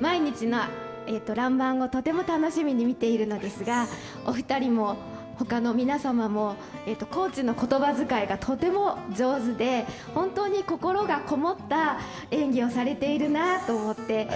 毎日「らんまん」を楽しみに見ているのですがお二人も他の皆様も高知のことばづかいがとてもお上手で心がこもった演技をされているなと思って。